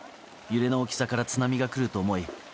揺れの大きさから津波が来ると思い